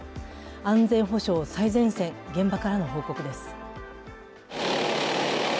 安全保障最前線、現場からの報告です。